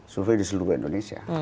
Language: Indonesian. survei di seluruh indonesia